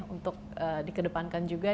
untuk di kedepankan juga